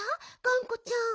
がんこちゃん。